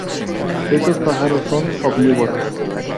Estos pájaros son omnívoros.